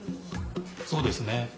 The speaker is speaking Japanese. そうですね。